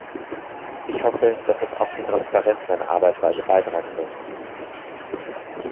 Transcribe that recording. Ich hoffe, dass das auch zur Transparenz seiner Arbeitsweise beitragen wird.